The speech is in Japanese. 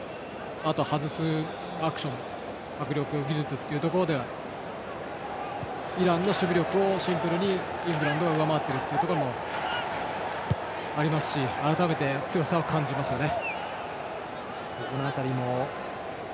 あとは外すアクション迫力、技術というところでイランの守備力をシンプルにイングランドが上回っているというところもありますし改めて、強さを感じますね。